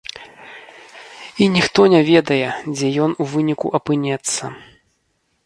І ніхто не ведае, дзе ён у выніку апынецца.